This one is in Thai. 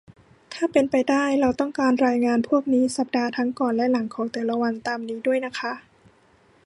ถ้าเป็นไปได้ เราต้องการรายงานพวกนี้สัปดาห์ทั้งก่อนและหลังของแต่ละวันตามนี้ด้วยนะคะ